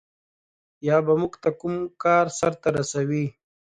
یا به موږ ته کوم کار سرته ورسوي.